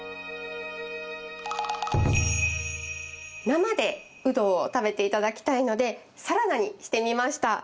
生でウドを食べて頂きたいのでサラダにしてみました。